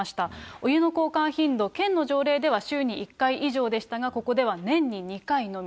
お湯の交換頻度、県の条例では週に１回以上でしたが、ここでは年に２回のみ。